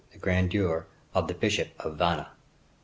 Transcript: The Grandeur of the Bishop of Vannes.